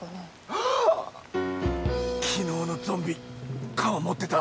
ハッ昨日のゾンビ鎌持ってた！